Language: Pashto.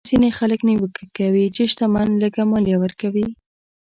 ځینې خلک نیوکه کوي چې شتمن لږه مالیه ورکوي.